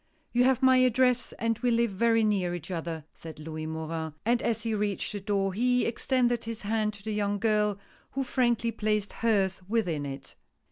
" You have my address, and we live very near each other," said Louis Morin, and as he reached the door he extended his hand to the young girl, who frankly placed hers within it.